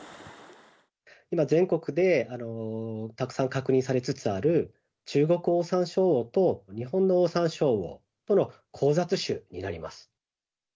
今、全国でたくさん確認されつつある、チュウゴクオオサンショウウオと日本のオオサンショウウオとの交雑種になります。